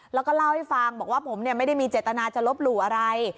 แล้วก็เล่าให้ฟังบอกว่าผมไม่ได้มีเจตนาจะลบหลู่อะไร